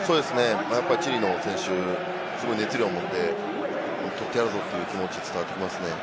チリの選手、すごい熱量を持って、行ってやるぞという気持ちが伝わりますね。